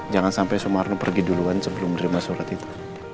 jangan sampai sumarno pergi duluan sebelum menerima surat itu